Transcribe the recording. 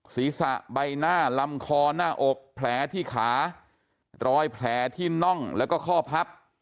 ศีรษะใบหน้าลำคอหน้าอกแผลที่ขารอยแผลที่น่องแล้วก็ข้อพับ